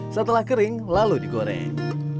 setelah kering lalu digoreng